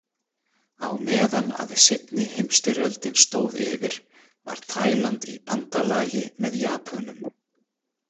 Á meðan að seinni heimsstyrjöldin stóð yfir, var Taíland í bandalagi með Japönum.